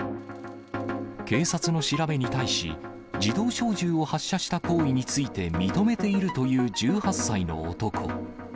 警察の調べに対し、自動小銃を発射した行為について認めているという１８歳の男。